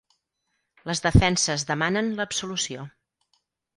Les defenses demanen l'absolució